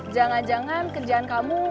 jangan jangan kerjaan kamu